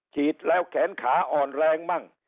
ฉีดแล้วแขนขาอ่อนแรงมั่ง